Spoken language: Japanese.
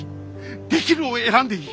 「できる」を選んでいい。